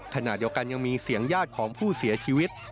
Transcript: ขณะเดียวกันยังมีเสียงญาติของผู้เสียชีวิต